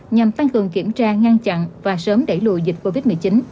nhằm tăng cường kiểm tra ngăn chặn và sớm đẩy lùi dịch covid một mươi chín